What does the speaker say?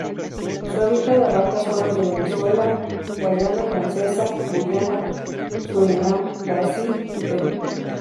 Su hábitat abarca zonas de Venezuela, Guayana Francesa, Guyana, Surinam, Brasil y Perú.